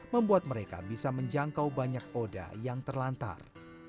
membuat mereka bisa menjangkau banyak oda yang terlantar